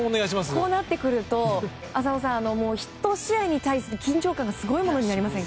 こうなってくると浅尾さん、１試合に対する緊張感がすごいものになりませんか。